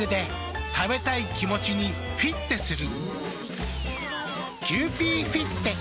食べたい気持ちにフィッテする。